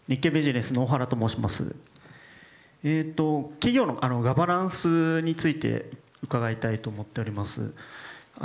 企業のガバナンスについて伺いたいと思っております。